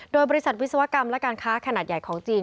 โดยบริษัทวิศวกรรมและการค้าขนาดใหญ่ของจีน